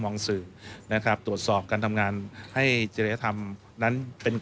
หลองสื่อตรวจสอบการทำงานให้เจรฐมนั้นเป็น